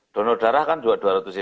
donor darah kan juga dua ratus cc